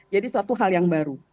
suatu hal yang baru